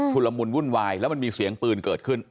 ละมุนวุ่นวายแล้วมันมีเสียงปืนเกิดขึ้น